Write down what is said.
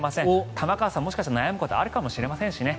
玉川さん、もしかしたら悩むことあるかもしれませんしね。